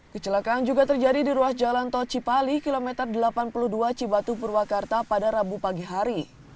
kecelakaan juga terjadi di ruas jalan tol cipali kilometer delapan puluh dua cibatu purwakarta pada rabu pagi hari